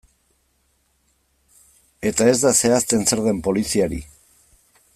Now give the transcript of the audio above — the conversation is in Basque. Eta ez da zehazten zer den poliziari.